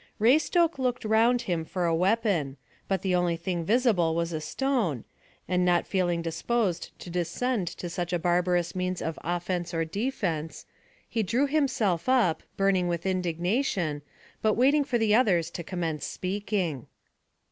Raystoke looked round him for a weapon, but the only thing visible was a stone, and not feeling disposed to descend to such a barbarous means of offence or defence, he drew himself up, burning with indignation, but waiting for the others to commence speaking.